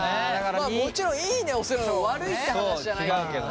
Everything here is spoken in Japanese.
まあもちろんいいねをするのが悪いって話じゃないんだけどね。